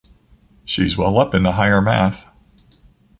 She's well up in the higher math.